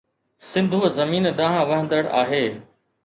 سنڌوءَ زمين ڏانهن وهندڙ آهي